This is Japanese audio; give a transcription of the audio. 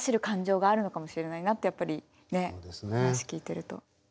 感情があるのかもしれないなってやっぱりね話聞いてると。